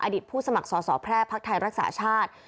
ผู้สมัครสอสอแพร่ภักดิ์ไทยรักษาชาติ